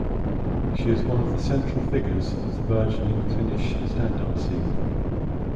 She is one of the central figures of the burgeoning Finnish stand-up scene.